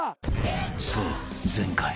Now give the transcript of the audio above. ［そう前回］